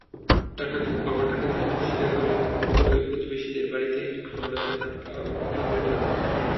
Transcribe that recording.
বাবা টাকা দিতে অস্বীকার করলে ক্ষুব্ধ হয়ে প্রতিবেশীদের বাড়িতে হামলা চালান আনোয়ারুল।